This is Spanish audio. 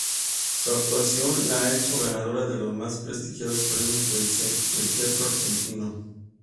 Su actuación la ha hecho ganadora de los más prestigiosos premios del teatro argentino.